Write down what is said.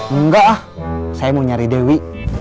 enggak ah saya mau nyari dewi